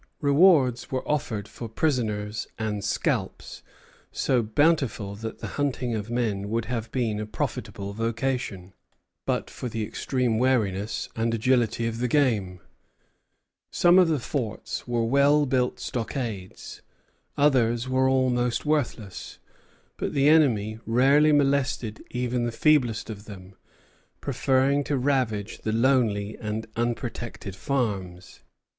Rewards were offered for prisoners and scalps, so bountiful that the hunting of men would have been a profitable vocation, but for the extreme wariness and agility of the game. Some of the forts were well built stockades; others were almost worthless; but the enemy rarely molested even the feeblest of them, preferring to ravage the lonely and unprotected farms.